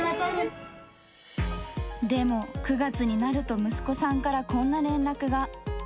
でも、９月になると息子さんからこんな連絡が。